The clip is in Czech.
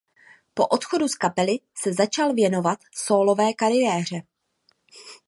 Po odchodu z kapely se začal věnovat sólové kariéře.